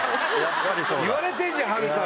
言われてんじゃん、波瑠さん